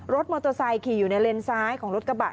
รถมอเตอร์ไซค์ขี่อยู่ในเลนซ้ายของรถกระบะ